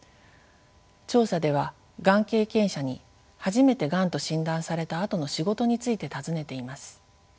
調査ではがん経験者に初めてがんと診断されたあとの仕事について尋ねています。